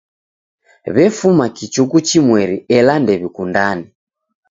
W'efuma kichuku chimweri ela ndew'ikundane.